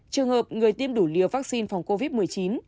trường hợp người tiêm đủ liều vaccine phòng covid một mươi chín